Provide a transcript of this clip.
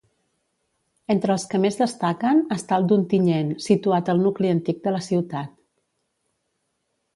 Entre els que més destaquen està el d'Ontinyent, situat al Nucli Antic de la Ciutat.